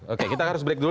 oke kita harus break dulu